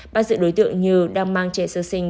bắt giữ đối tượng như đang mang trẻ sơ sinh